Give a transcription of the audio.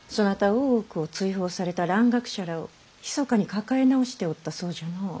大奥を追放された蘭学者らをひそかに抱え直しておったそうじゃの。